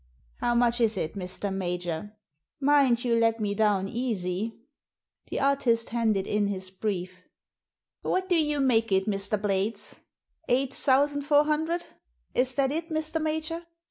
How much is it, Mr. Major? Mind you let me down easy." The artist handed in his " brief." "What do you make it, Mr. Blades ? Eight thousand four hundred. Is that it, Mr. Major?